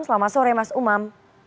selamat sore mas umam